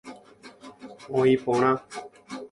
Oĩ porã.